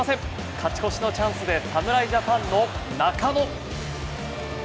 勝ち越しのチャンスで侍ジャパンの中野。